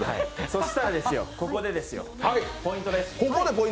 そしたらここでポイントです。